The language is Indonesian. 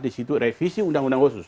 di situ revisi undang undang khusus